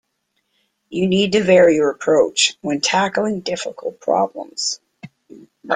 You need to vary your approach when tackling difficult problems.